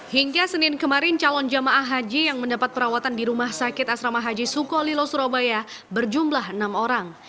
hingga senin kemarin calon jemaah haji yang mendapat perawatan di rumah sakit asrama haji sukolilo surabaya berjumlah enam orang